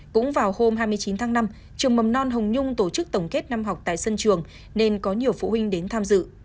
cũng vào hôm hai mươi chín tháng năm trường mầm non hồng nhung tổ chức tổng kết năm học tại sân trường nên có nhiều phụ huynh đến tham dự